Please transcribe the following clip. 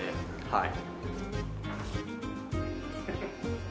はい。